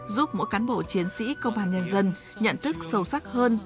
giúp mỗi cán bộ chiến sĩ công an nhân dân nhận thức sâu sắc hơn